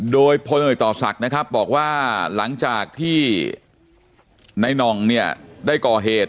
โดยพลเอกต่อศักดิ์นะครับบอกว่าหลังจากที่ในน่องเนี่ยได้ก่อเหตุ